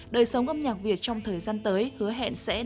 đời sống âm nhạc việt trong thời gian tới hứa hẹn sẽ đa chiều